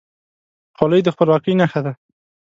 خولۍ د خپلواکۍ نښه ده.